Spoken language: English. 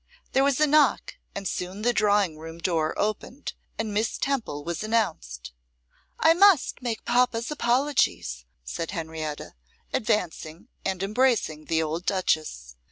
There was a knock, and soon the drawing room door opened, and Miss Temple was announced. 'I must make papa's apologies,' said Henrietta, advancing and embracing the old duchess.